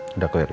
sudah clear ya